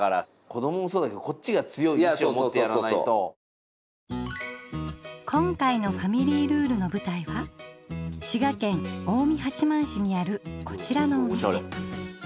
子どももそうだけど今回のファミリールールのぶたいは滋賀県近江八幡市にあるこちらのお店。